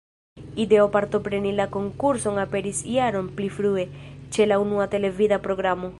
Ideo partopreni la konkurson aperis jaron pli frue, ĉe la unua televida programo.